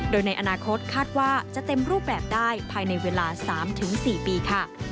โดยในอนาคตคาดว่าจะเต็มรูปแบบได้ภายในเวลา๓๔ปีค่ะ